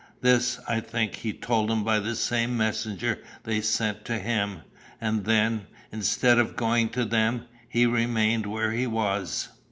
This, I think, he told them by the same messenger they sent to him; and then, instead of going to them, he remained where he was.